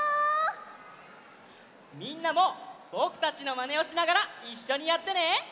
みんなもぼくたちのまねをしながらいっしょにやってね！